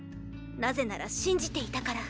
なぜなら信じていたから。